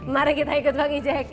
mari kita ikut bang ejek